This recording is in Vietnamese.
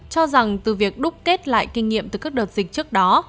cho rằng từ việc đúc kết lại kinh nghiệm từ các đợt dịch trước đó